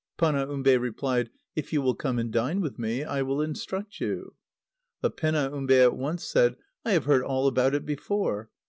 Panaumbe replied: "If you will come and dine with me, I will instruct you." But Penaumbe at once said: "I have heard all about it before."